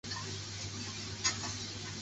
这边安全了